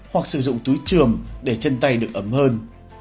hoặc sử dụng túi trường để chân tay được ấm hơn